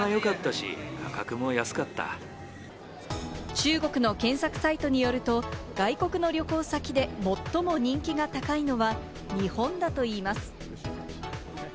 中国の検索サイトによると、外国の旅行先で最も人気が高いのは日本だといいます。